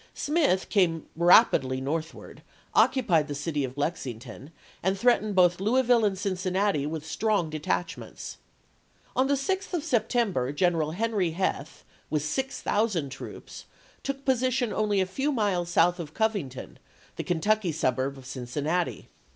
Smith came rapidly north ward, occupied the city of Lexington, and threat ened both Louisville and Cincinnati with strong detachments. On the 6th of September General 1862. Henry Heth, with 6000 troops, took position only a few miles south of Covington, the Kentucky suburb of Cincinnati.